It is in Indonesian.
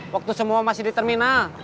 waktu semua masih di terminal